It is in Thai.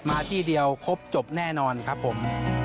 มาที่เดียวครบจบแน่นอนครับผม